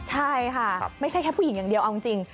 ใช่ค่ะไม่ใช่แค่ผู้หญิงอย่างเดียวเอาจริง